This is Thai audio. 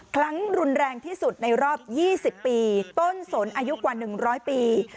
ครั้งรุนแรงที่สุดในรอบยี่สิบปีต้นสนอายุกว่าหนึ่งร้อยปี